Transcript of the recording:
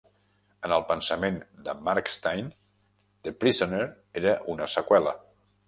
En el pensament de Markstein, "The Prisoner·" era una seqüela.